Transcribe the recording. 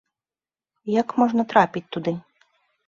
Як можна трапіць туды?